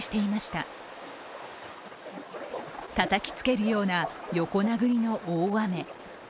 たたきつけるような横殴りの大雨。